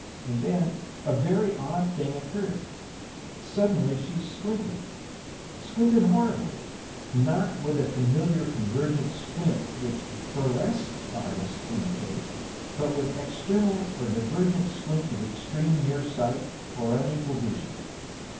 And then a very odd thing occurred. Suddenly she squinted squinted horribly; not with the familiar convergent squint which burlesque artists imitate, but with external or divergent squint of extreme near sight or unequal vision.